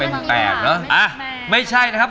ไม่ใช่นะครับ